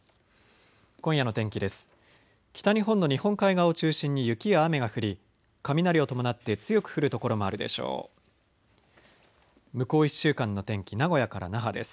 今夜の天気です。